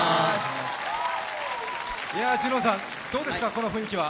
ＪＵＮＯＮさん、どうですかこの雰囲気は？